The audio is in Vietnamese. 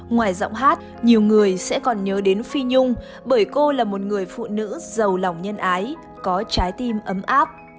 ngoài giọng hát nhiều người sẽ còn nhớ đến phi nhung bởi cô là một người phụ nữ giàu lòng nhân ái có trái tim ấm áp